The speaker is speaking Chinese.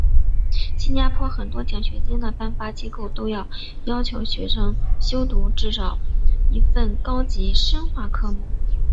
新加坡很多奖学金的颁发机构都要求学生修读至少一份高级深化科目。